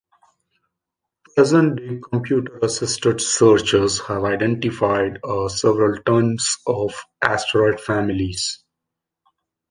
Present day computer-assisted searches have identified several tens of asteroid families.